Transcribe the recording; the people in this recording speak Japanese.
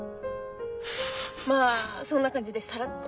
まあそんな感じでさらっと。